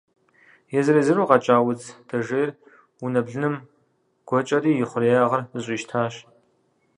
Езыр-езыру къэкӏа удз дэжейр унэ блыным гуэкӏэри и хъуреягъыр зэщӏищтащ.